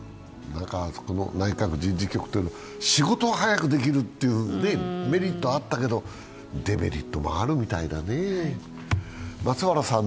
内閣人事局というのは仕事は早くできるというメリットあったけど、デメリットもあるみたいだね。